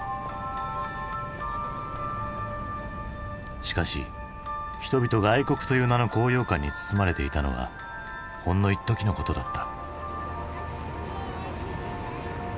しかし人々が愛国という名の高揚感に包まれていたのはほんのいっときのことだった。